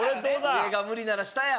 上が無理なら下や。